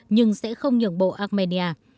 nhưng sẽ không nhường bộ armenia